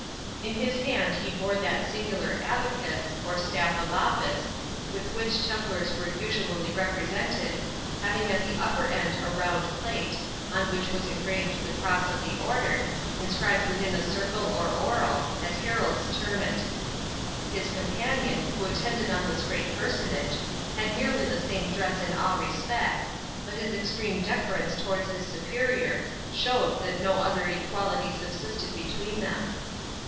In his hand he bore that singular "abacus", or staff of office, with which Templars are usually represented, having at the upper end a round plate, on which was engraved the cross of the Order, inscribed within a circle or orle, as heralds term it. His companion, who attended on this great personage, had nearly the same dress in all respects, but his extreme deference towards his Superior showed that no other equality subsisted between them.